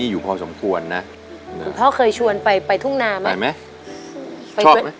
อยู่พอสมควรนะคุณพ่อเคยชวนไปไปทุ่งนาไหมไปไหมไปช่วยไหม